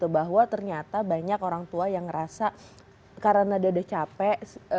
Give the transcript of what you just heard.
bahwa ternyata banyak orang tua yang ngerasa karena dada capek